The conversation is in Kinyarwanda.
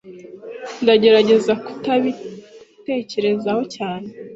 Ndagerageza kutabitekerezaho cyane.